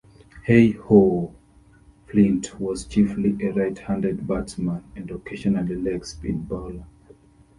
Heyhoe Flint was chiefly a right-handed batsman, and occasional leg spin bowler.